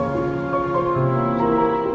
ini kamu kedinginan mau sakit besok